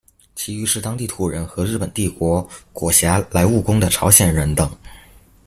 其余是当地土人和日本帝国裹挟来务工的朝鲜人等。